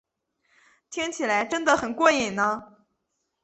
听起来真得很过瘾呢